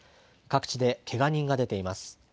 各地でけが人が出ています。